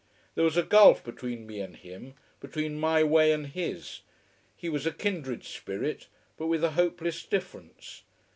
There was a gulf between me and him, between my way and his. He was a kindred spirit but with a hopeless difference.